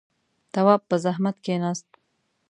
تواب په زحمت کېناست.